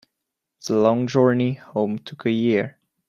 The long journey home took a year.